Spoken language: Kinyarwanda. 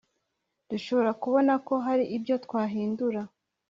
dushobora kubona ko hari ibyo twahindura